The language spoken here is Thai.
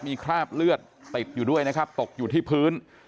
มีคราบเลือดติดอยู่ด้วยนะครับตกอยู่ที่พื้น